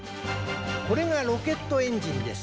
これがロケットエンジンです。